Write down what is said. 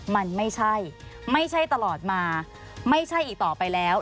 มันไม่ใช่ไม่ใช่ตลอดมาไม่ใช่อีกต่อไปแล้ว